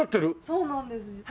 そうなんですはい。